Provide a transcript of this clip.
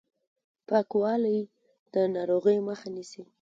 پاکوالی د ناروغیو مخه نیسي